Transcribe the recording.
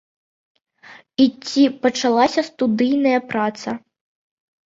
І ці пачалася студыйная праца?